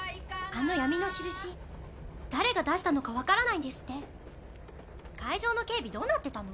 あの闇の印誰が出したのか分からないんですって会場の警備どうなってたの？